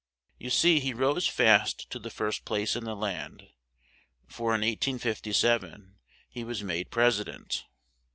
You see, he rose fast to the first place in the land, for in 1857 he was made pres i dent.